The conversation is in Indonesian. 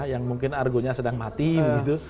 yang mungkin argonya sedang mati begitu